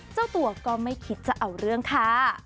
เจ้าตัวก็ไม่คิดจะเอาเรื่องค่ะ